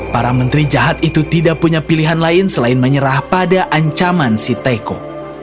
para menteri jahat itu tidak punya pilihan lain selain menyerah pada ancaman si teko